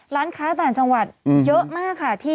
ร้านค้าต่างจังหวัดเยอะมากค่ะ